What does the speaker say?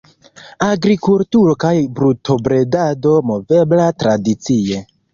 Agrikulturo kaj brutobredado movebla tradicie.